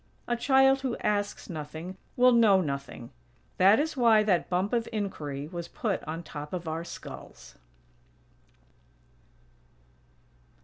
A child who asks nothing will know nothing. That is why that "bump of inquiry" was put on top of our skulls.